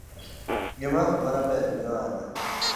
Gimoro amora ber gohala